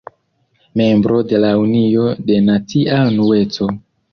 Membro de la Unio de Nacia Unueco.